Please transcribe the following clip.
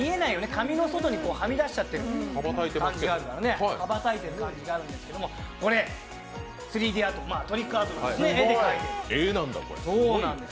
紙の外にはみ出しちゃってる羽ばたいてる感じがあるんですけどこれ、３Ｄアート、トリックアート、絵で描いてるんです。